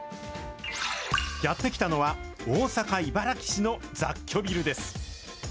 やって来たのは大阪・茨木市の雑居ビルです。